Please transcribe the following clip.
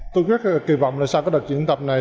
tôi rất kỳ vọng là sau cái đợt chuyển tập này